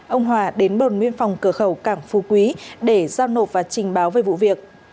ông hòa đến đồn biên phòng cửa khẩu cảng phú quý để giao nộp và trình báo về vụ việc